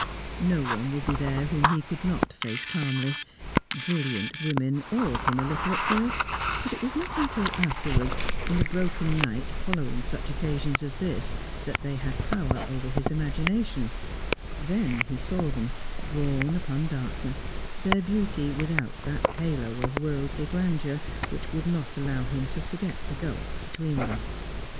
No one would be there whom he could not face calmly. Brilliant women awed him a little at first, but it was not till afterwards, in the broken night following such occasions as this, that they had power over his imagination; then he saw them, drawn upon darkness, their beauty without that halo of worldly grandeur which would not allow him to forget the gulf between them.